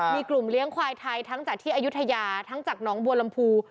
มีกลุ่มเลี้ยงควายไทยทั้งจากที่อายุทยาทั้งจากน้องบัวลำพู